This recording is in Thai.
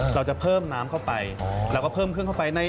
เราจะเพิ่มน้ำเข้าไปเราก็เพิ่มเครื่องเข้าไป